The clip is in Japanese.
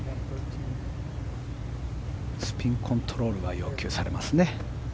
スピンコントロールが要求されますね。